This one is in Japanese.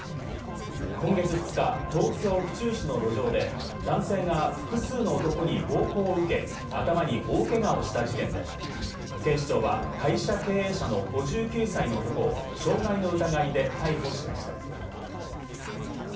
今月２日、東京・府中市の路上で男性が複数の男に暴行を受け、頭に大怪我をした事件で、警視庁は会社経営者の５９歳の男を傷害の疑いで逮捕しました。